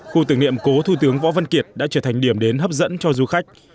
khu tưởng niệm cố thủ tướng võ văn kiệt đã trở thành điểm đến hấp dẫn cho du khách